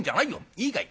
いいかい？